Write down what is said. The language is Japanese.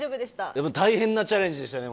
でも大変なチャレンジでした